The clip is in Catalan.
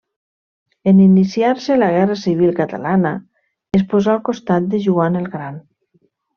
En iniciar-se la Guerra civil catalana, es posà al costat de Joan el Gran.